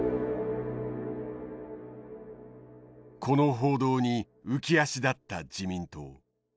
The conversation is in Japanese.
この報道に浮き足だった自民党。